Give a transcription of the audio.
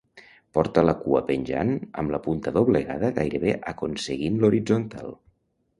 Porta la cua penjant amb la punta doblegada gairebé aconseguint l'horitzontal.